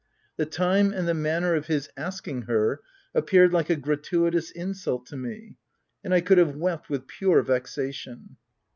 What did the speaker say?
The time and the manner of his asking her, appeared like a gratuitous insult to me ; and I could have wept with pure vexation.